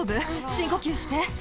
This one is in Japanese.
深呼吸して。